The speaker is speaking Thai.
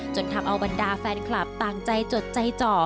ทำเอาบรรดาแฟนคลับต่างใจจดใจจ่อ